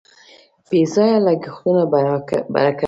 بې ځایه لګښتونه برکت ورکوي.